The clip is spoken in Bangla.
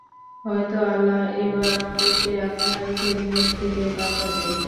হয়তো আল্লাহ এবার আমাদেরকে আপনার খেদমত থেকে বাঁচাবেন।